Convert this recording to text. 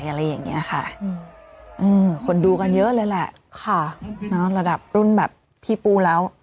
อะไรอย่างเงี้ยค่ะอืมคนดูกันเยอะเลยแหละค่ะเนอะระดับรุ่นแบบพี่ปูแล้ว